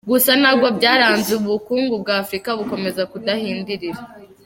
Gusa nabwo byaranze Ubukungu bwa Afurika bukomeza kuhadindirira.